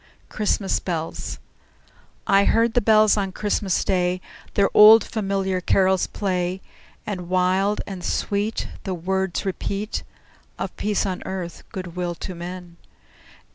CHRISTMAS BELLS I heard the bells on Christmas Day Their old, familiar carols play, And wild and sweet The words repeat Of peace on earth, good will to men!